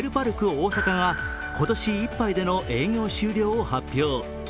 大阪が今年いっぱいでの営業終了を発表。